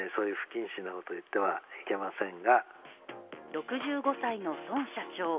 ６５歳の孫社長。